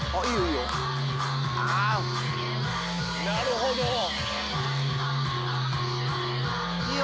なるほど！